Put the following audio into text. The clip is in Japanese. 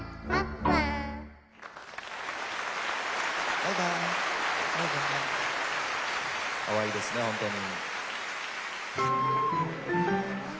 かわいいですねほんとに。